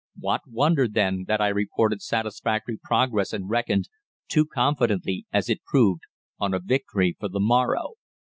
What wonder, then, that I reported satisfactory progress, and reckoned too confidently, as it proved on a victory for the morrow?